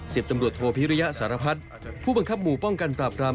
สิบตำรวจโทพิริยะสารพัฒน์ผู้บังคับหมู่ป้องกันปราบราม